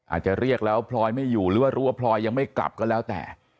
อาจจะเรียกแล้วพลอยไม่อยู่หรือว่ารู้ว่าพลอยยังไม่กลับก็แล้วแต่